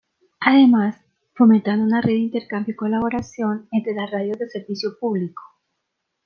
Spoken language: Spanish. Además, fomentando una red de intercambio y colaboración entre las radios de servicio público.